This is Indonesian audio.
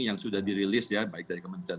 yang sudah dirilis ya baik dari kementerian